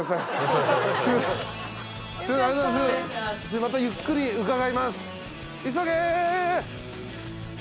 またゆっくり伺います。